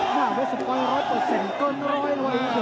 หน้าเวสสุปร้อย๑๐๐ก้นร้อยร้อย